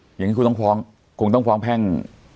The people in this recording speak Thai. เป็นอย่างไรคุณต้องฟ้องคุณต้องฟ้องแพร่ง